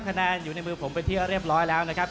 คะแนนอยู่ในมือผมเป็นที่เรียบร้อยแล้วนะครับ